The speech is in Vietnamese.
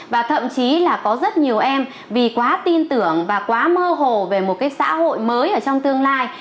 và thậm chí là có rất nhiều em vì quá tin tưởng và quá mơ hồ về một cái xã hội mới ở trong tương lai